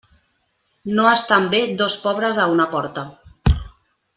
No estan bé dos pobres a una porta.